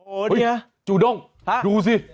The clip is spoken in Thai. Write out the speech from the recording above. โอ้เนี่ยจูด้งดูสิ